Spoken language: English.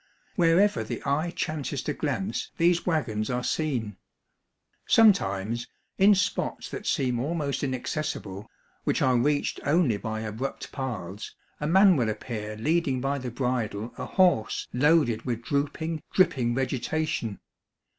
Wherever the eye chances to glance, these wagons are seen ; sometimes in spots that seem almost inaccessible, which are reached only by abrupt paths, a man will appear leading by the bridle a horse loaded with drooping, dripping vegetation.